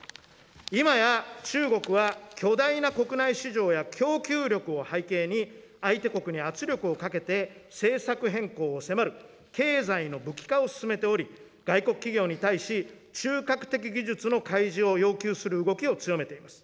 今や、中国は巨大な国内市場や供給力を背景に、相手国に圧力をかけて、政策変更を迫る、経済の武器化を進めており、外国企業に対し、中核的技術の開示を要求する動きを強めています。